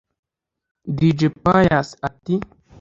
Dj Pius ati